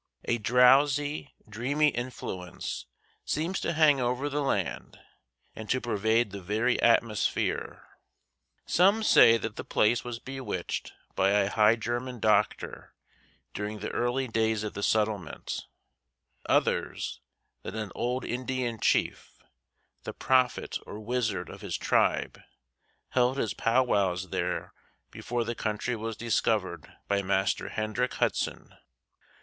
A drowsy, dreamy influence seems to hang over the land and to pervade the very atmosphere. Some say that the place was bewitched by a High German doctor during the early days of the settlement; others, that an old Indian chief, the prophet or wizard of his tribe, held his powwows there before the country was discovered by Master Hendrick Hudson.